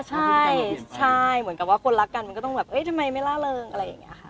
ใช่ใช่เหมือนกับว่าคนรักกันมันก็ต้องแบบเอ้ยทำไมไม่ล่าเริงอะไรอย่างนี้ค่ะ